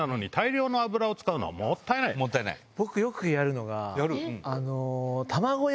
僕よくやるのが。